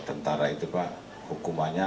tentara itu pak hukumannya